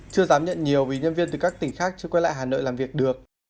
chưa dám nhận nhiều vì nhân viên từ các tỉnh khác chưa quay lại hà nội làm việc được